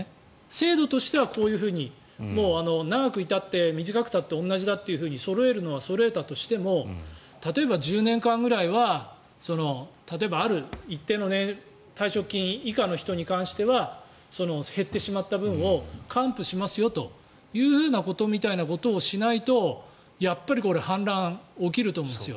制度としては、こういうふうにもう長くいたって短くたって同じだとそろえるのはそろえたとしても例えば１０年間ぐらいはある一定の退職金以下の人に関しては減ってしまった分を還付しますよみたいなことをしないとやっぱりこれ、反乱が起きると思います。